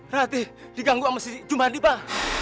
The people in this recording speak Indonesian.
rati diganggu sama si jum'at pak